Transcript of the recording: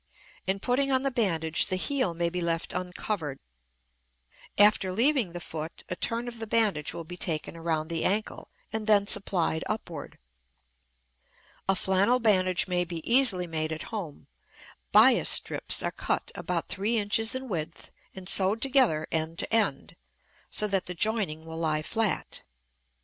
In putting on the bandage the heel may be left uncovered; after leaving the foot a turn of the bandage will be taken around the ankle and thence applied upward. A flannel bandage may be easily made at home. Bias strips are cut about three inches in width and sewed together end to end so that the joining will lie flat.